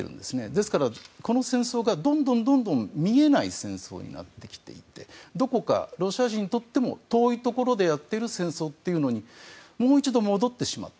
ですから、この戦争がどんどん見えない戦争になってきていてどこかロシア人にとっても遠いところでやっている戦争というのにもう一度戻ってしまった。